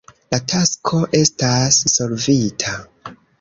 La tasko estas solvita.